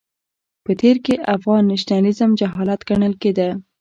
په تېر کې افغان نېشنلېزم جهالت ګڼل کېده.